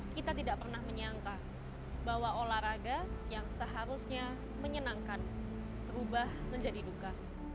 kita tidak pernah menyangka bahwa olahraga yang seharusnya menyenangkan berubah menjadi duka